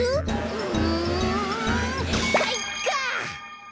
うんかいか！